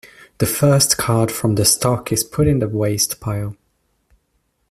The first card from the stock is put in the waste pile.